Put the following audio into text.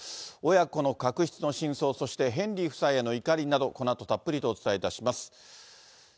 親子の確執の真相、そしてヘンリー夫妻への怒りなど、このあと、たっぷりとお伝えいたします。